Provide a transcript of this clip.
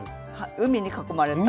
海に囲まれた。